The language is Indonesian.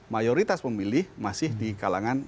mayoritas pemilih masih di kalangan